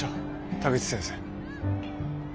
田口先生。